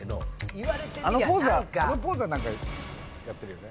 あのポーズは何かやってるよね。